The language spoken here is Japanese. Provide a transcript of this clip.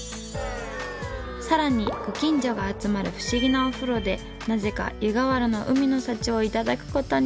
更にご近所が集まる不思議なお風呂でなぜか湯河原の海の幸を頂く事に。